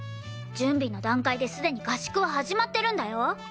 準備の段階ですでに合宿は始まってるんだよ！